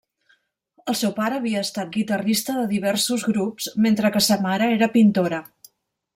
El seu pare havia estat guitarrista de diversos grups mentre que sa mare era pintora.